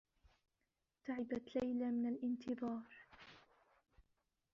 تعبت ليلى من الانتظار.